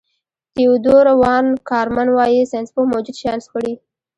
تیودور وان کارمن وايي ساینسپوه موجود شیان سپړي.